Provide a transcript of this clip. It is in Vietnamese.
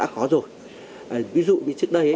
có rồi ví dụ như trước đây